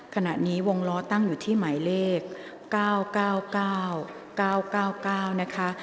ขณะนี้วงล้อตั้งอยู่ที่หมายเลข๙๙๙๙๙๙๙นะคะ